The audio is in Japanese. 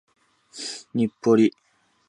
日暮里